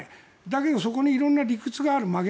だけど、そこに色んな真逆の理屈がある。